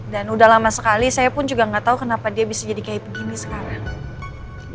dan udah lama sekali saya pun juga gak tau kenapa dia bisa jadi kayak gini sekarang